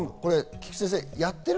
菊地先生。